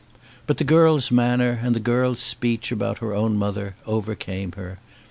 But the girl's manner, and the girl's speech about her own mother, overcame her.